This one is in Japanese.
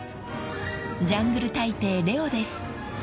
［『ジャングル大帝』レオです］